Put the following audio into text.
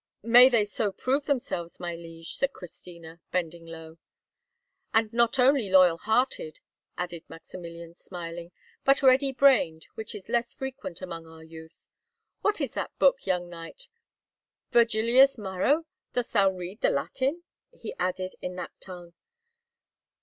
"May they so prove themselves, my liege!" said Christina, bending low. "And not only loyal hearted," added Maximilian, smiling, "but ready brained, which is less frequent among our youth. What is thy book, young knight? Virgilius Maro? Dost thou read the Latin?" he added, in that tongue.